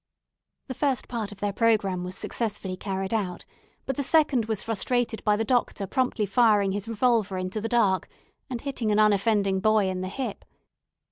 The first part of their programme was successfully carried out; but the second was frustrated by the Doctor promptly firing his revolver into the dark, and hitting an unoffending boy in the hip.